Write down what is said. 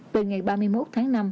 từ ngày ba mươi một tháng năm